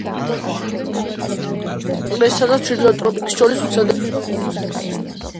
ჩრდილოეთ პოლარულ წრესა და ჩრდილოეთ ტროპიკს შორის ვრცელდება ჩრდილოეთის ზომიერი ზონა.